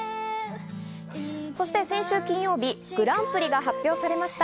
そして先週金曜日、グランプリが発表されました。